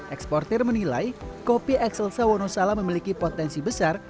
eksportir menilai kopi ekselsa wonosalam memiliki potensi besar